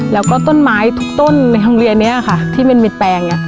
แล้วก็ต้นไม้ทุกต้นในโรงเรียนนี้ค่ะที่มันมีแปลง